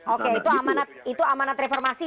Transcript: oke itu amanat reformasi